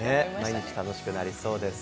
毎日楽しくなりそうです。